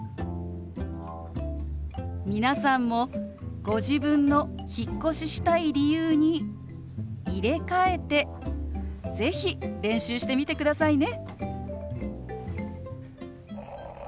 皆さんもご自分の引っ越ししたい理由に入れ替えて是非練習してみてくださいね。